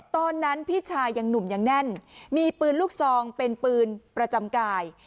พี่ชายยังหนุ่มยังแน่นมีปืนลูกซองเป็นปืนประจำกาย